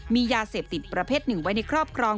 มียาเสพติดประเภทหนึ่งไว้ในครอบครอง